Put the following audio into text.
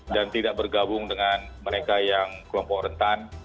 dan tidak bergabung dengan mereka yang komporentan